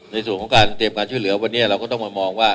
ในส่วนของการเตรียมการช่วยเหลือวันนี้เราก็ต้องมามองว่า